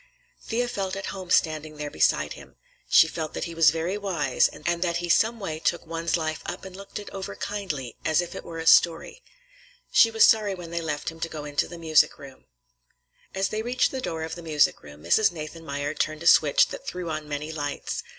Thea felt at home standing there beside him; she felt that he was very wise, and that he some way took one's life up and looked it over kindly, as if it were a story. She was sorry when they left him to go into the music room. As they reached the door of the music room, Mrs. Nathanmeyer turned a switch that threw on many lights.